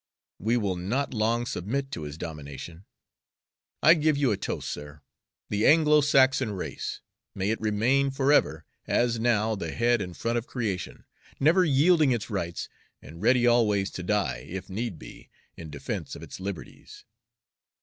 We will not long submit to his domination. I give you a toast, sir: The Anglo Saxon race: may it remain forever, as now, the head and front of creation, never yielding its rights, and ready always to die, if need be, in defense of its liberties!"